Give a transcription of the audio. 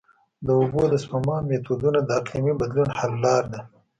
د اوبو د سپما میتودونه د اقلیمي بدلون حل لاره ده.